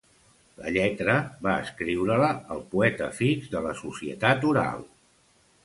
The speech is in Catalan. La lletra va escriure-la el poeta fix de la societat oral.